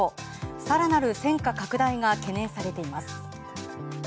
更なる戦火拡大が懸念されています。